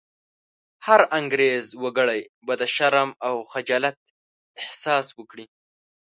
هر انګرېز وګړی به د شرم او خجالت احساس وکړي.